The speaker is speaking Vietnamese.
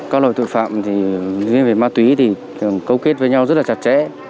các loại tội phạm riêng về ma túy thì thường câu kết với nhau rất là chặt chẽ